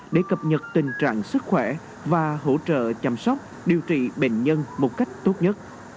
để cập nhật tình trạng sức khỏe và hỗ trợ chăm sóc điều trị bệnh nhân một cách tốt nhất